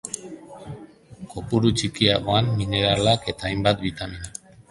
Kopuru txikiagoan, mineralak eta hainbat bitamina.